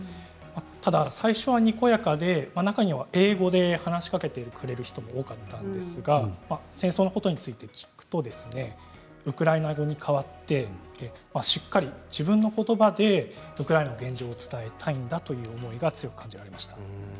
ただ最初は、にこやかで中には英語で話しかけてくれる人も多かったんですが戦争のことについて聞くとウクライナ語に変わってしっかり自分のことばでウクライナの現状を伝えたいんだという思いが強く感じられました。